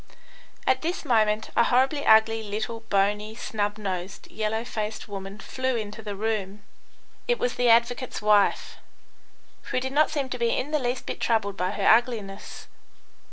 At this moment a horribly ugly, little, bony, snub nosed, yellow faced woman flew into the room. It was the advocate's wife, who did not seem to be in the least bit troubled by her ugliness.